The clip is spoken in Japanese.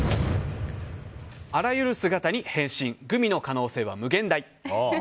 あらゆる姿に変身グミの可能性は無限大。